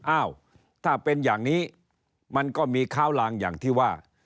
อ้าวถ้าเป็นอย่างนี้มันก็มีข้าวลางอย่างที่ว่า